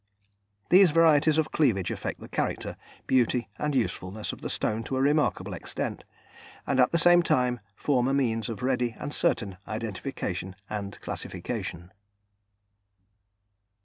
These varieties of cleavage affect the character, beauty and usefulness of the stone to a remarkable extent, and at the same time form a means of ready and certain identification and classification.